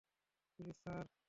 Please, sir.